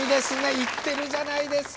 行ってるじゃないですか。